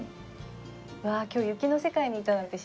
わあ今日雪の世界にいたなんて信じられない。